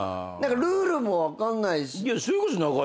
ルールも分かんないし。